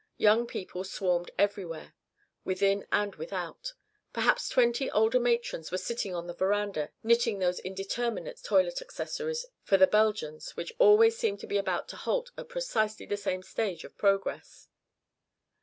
Young people swarmed everywhere, within and without; perhaps twenty older matrons were sitting on the veranda knitting those indeterminate toilette accessories for the Belgians which always seemed to be about to halt at precisely the same stage of progress.